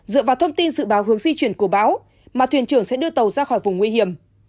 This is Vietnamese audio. dựa vào thông tin dự báo hướng di chuyển của bão mà thuyền trưởng sẽ đưa tàu ra khỏi vùng nguy hiểm